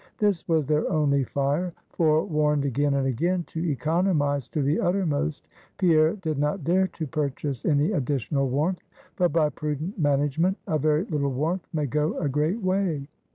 This was their only fire; for, warned again and again to economize to the uttermost, Pierre did not dare to purchase any additional warmth. But by prudent management, a very little warmth may go a great way.